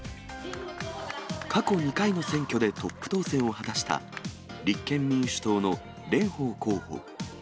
過去２回の選挙でトップ当選を果たした、立憲民主党の蓮舫候補。